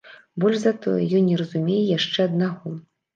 Больш за тое, ён не разумее яшчэ аднаго.